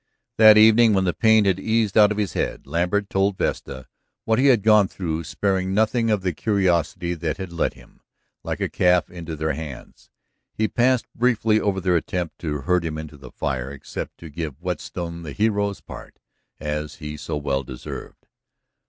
That evening, when the pain had eased out of his head, Lambert told Vesta what he had gone through, sparing nothing of the curiosity that had led him, like a calf, into their hands. He passed briefly over their attempt to herd him into the fire, except to give Whetstone the hero's part, as he so well deserved.